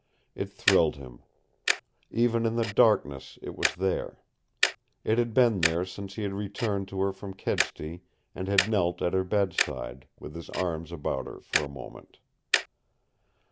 It thrilled him. Even in the darkness it was there. It had been there since he had returned to her from Kedsty and had knelt at her bedside, with his arms about her for a moment.